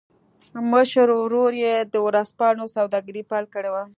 مشر ورور يې د ورځپاڼو سوداګري پیل کړې وه